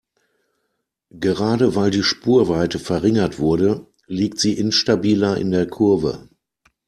Gerade weil die Spurweite verringert wurde, liegt sie instabiler in der Kurve.